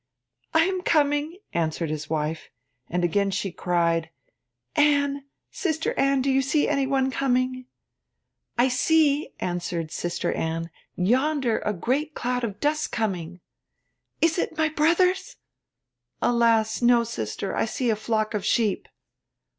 'I am coming,' answered his wife; and again she cried: 'Anne, Sister Anne, do you see any one coming?' 'I see,' answered Sister Anne, 'yonder a great cloud of dust coming.' 'Is it my brothers?' 'Alas! no, sister. I see a flock of sheep.'